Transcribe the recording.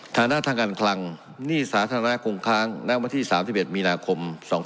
ฐานะทางการคลังหนี้สาธารณะคงค้างณวันที่๓๑มีนาคม๒๕๖๒